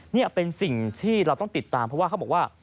นี่เป็นสิ่งที่เราต้องติดตามเพราะว่าเขาบอกว่า